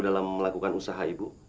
dalam melakukan usaha ibu